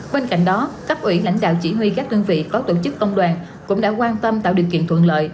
bên cạnh đó cấp ủy lãnh đạo chỉ huy các đơn vị có tổ chức công đoàn cũng đã quan tâm tạo điều kiện thuận lợi